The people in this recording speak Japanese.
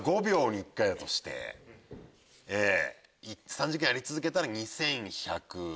３時間やり続けてたら２１００。